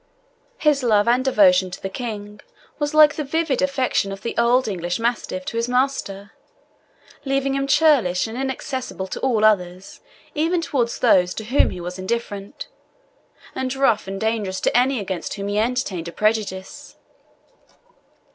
His love and devotion to the King was like the vivid affection of the old English mastiff to his master, leaving him churlish and inaccessible to all others even towards those to whom he was indifferent and rough and dangerous to any against whom he entertained a prejudice.